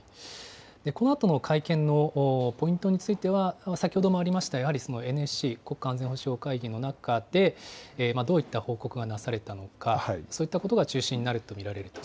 このあとの会見のポイントについては、先ほどもありました、ＮＳＣ・国家安全保障会議の中で、どういった報告がなされたのか、そういったことが中心になると見られると。